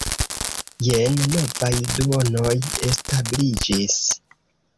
Jen novaj duonoj establiĝis.